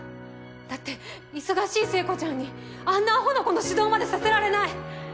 だって忙しい聖子ちゃんにあんなアホな子の指導までさせられない！